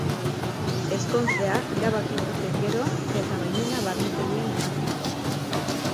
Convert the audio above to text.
Ezkontzea erabaki zuten gero eta baimena barnetegian ematea.